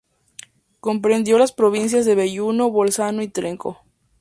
Comprendió las provincias de Belluno, Bolzano y Trento.